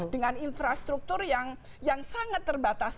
dengan infrastruktur yang sangat terbatas